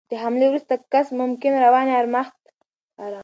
د حملې وروسته کس ممکن رواني آرامښت احساس کړي.